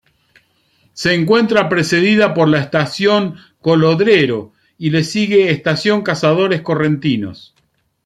Se encuentra precedida por la Estación Colodrero y le sigue Estación Cazadores Correntinos.